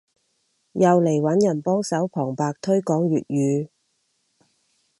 又嚟揾人幫手旁白推廣粵語